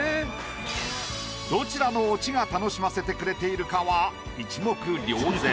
どちらのオチが楽しませてくれているかは一目瞭然。